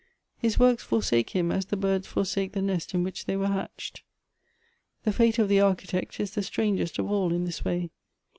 His works forsake him as the birds forsake the nest in which they were hatched. " The fate of the Architect is the strangest of all in this way.